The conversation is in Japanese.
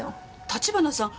立花さん